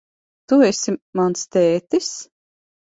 Tu esi mans tētis?